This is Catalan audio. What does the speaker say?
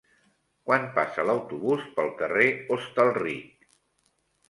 Quan passa l'autobús pel carrer Hostalric?